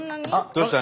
どうした？